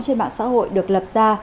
trên mạng xã hội được lập ra